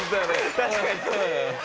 確かに。